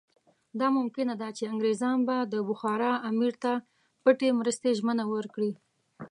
دا ممکنه ده چې انګریزان به د بخارا امیر ته پټې مرستې ژمنه ورکړي.